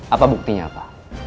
apa buktinya pa